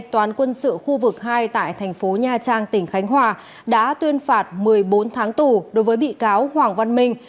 toán quân sự khu vực hai tại thành phố nha trang tỉnh khánh hòa đã tuyên phạt một mươi bốn tháng tù đối với bị cáo hoàng văn minh